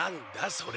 それ。